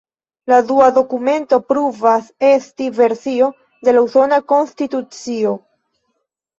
La dua dokumento pruvas esti versio de la Usona Konstitucio.